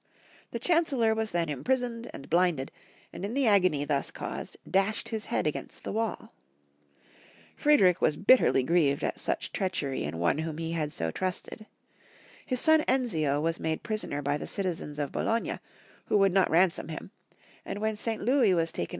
The chancellor was then imprisoned and blinded, and in the agony thus caused, dashed his head against the wall. Friedrich was bitterly grieved at such treachery m one whom he had so trusted. His son Enzio was made prisoner by the citizens of Bologna, who would not ransom him; and when St. Louis was taken 182 Young Folks* History of Germany.